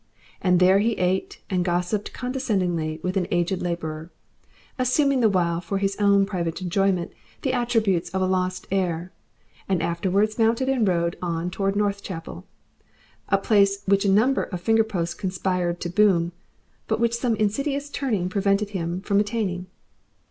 And there he ate and gossipped condescendingly with an aged labourer, assuming the while for his own private enjoyment the attributes of a Lost Heir, and afterwards mounted and rode on towards Northchapel, a place which a number of finger posts conspired to boom, but which some insidious turning prevented him from attaining.